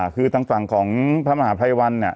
คือทางฝั่งของพระมหาภัยวันเนี่ย